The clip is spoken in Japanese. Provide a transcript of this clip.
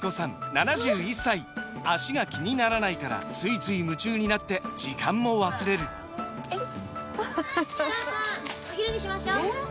７１歳脚が気にならないからついつい夢中になって時間も忘れるお母さんお昼にしましょうえー